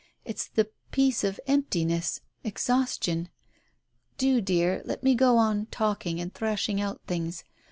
It's the peace of emptiness — exhaustion ! Do, dear, let me go on talking and thrash ing out things.